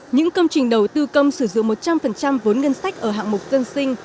những công trình đầu tư công sử dụng một trăm linh vốn ngân sách ở hạng mục dân sinh